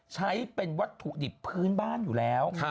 ใช้เป็นวัตถุดิบพื้นบ้านอยู่แล้ว